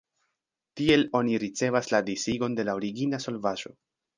Tiel oni ricevas la disigon de la origina solvaĵo.